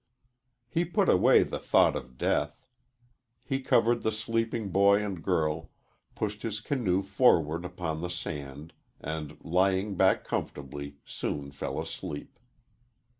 He put away the thought of death. He covered the sleeping boy and girl, pushed his canoe forward upon the sand, and lying back comfortably soon fell asleep.